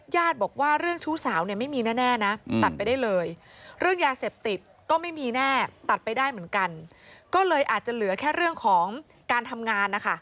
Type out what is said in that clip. ญาติบอกว่าเรื่องชู้สาวเนี่ยไม่มีแน่นะ